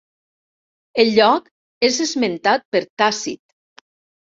El lloc és esmentat per Tàcit.